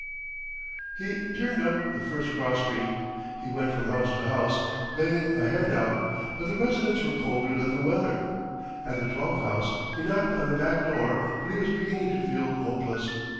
He turned up the first cross street. He went from house to house begging a hand out, but the residents were colder than the weather. At the twelfth house he knocked on the back door, but he was beginning to feel hopeless.